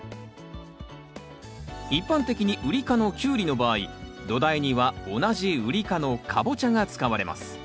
一般的にウリ科のキュウリの場合土台には同じウリ科のカボチャが使われます。